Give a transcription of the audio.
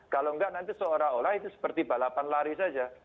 kalau enggak nanti seolah olah itu seperti balapan lari saja